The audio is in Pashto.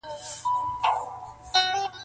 په ما ښکلي په نړۍ کي مدرسې دي.!